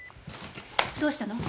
どうしたの？